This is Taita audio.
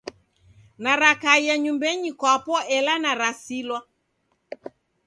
Narakaia nyumbenyi kwapo ela narasilwa.